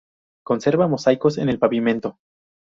Conserva mosaicos en el pavimento.